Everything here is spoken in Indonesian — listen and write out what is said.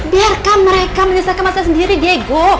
biar kan mereka menyesalkan masalah sendiri diego